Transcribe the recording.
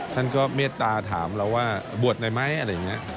ท่านก็เมตตาถามเราว่าบวชหน่อยไหมอะไรอย่างนี้